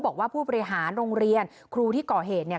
บอกว่าผู้บริหารโรงเรียนครูที่ก่อเหตุเนี่ย